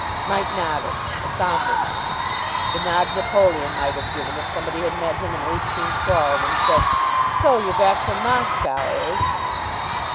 Mike nodded. A sombre nod. The nod Napoleon might have given if somebody had met him in 1812, and said, "So you're back from Moscow, eh?"